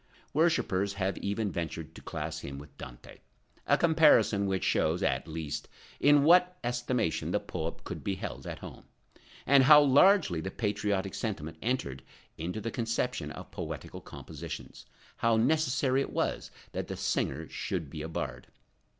Worshippers have even ventured to class him with Dante, a comparison which shows, at least, in what estimation the poet could be held at home, and how largely the patriotic sentiment entered into the conception of poetical compositions, how necessary it was that the singer should be a bard.